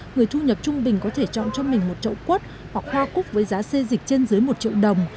người thu nhập trung bình có thể chọn cho mình một chậu quất hoặc hoa cúc với giá xê dịch trên dưới một triệu đồng